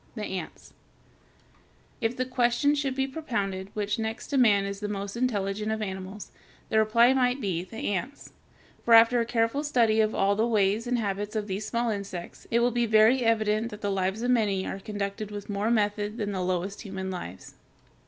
THE ANTS If the question should be propounded which next to man is the most intelligent of animals, the reply might be, the ants; for after a careful study of all the ways and habits of these small insects, it will be very evident that the lives of many are conducted with more method than the lowest human lives.